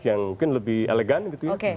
yang mungkin lebih elegan gitu ya